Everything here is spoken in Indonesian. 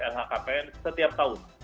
lhkpn setiap tahun